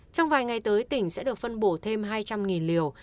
trong vài ngày tới tỉnh sẽ được phân bổ thêm hai trăm linh liều